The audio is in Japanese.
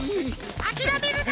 あきらめるな！